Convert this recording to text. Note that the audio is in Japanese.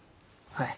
はい。